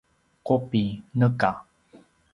qubi: neka